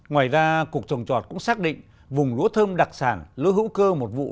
ngoài ra cục trồng trọt cũng xác định vùng lúa thơm đặc sản lúa hữu cơ một vụ